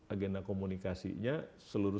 agenda komunikasinya seluruh